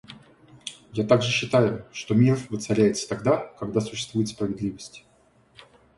Я также считаю, что мир воцаряется тогда, когда существует справедливость.